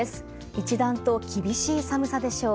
一段と厳しい寒さでしょう。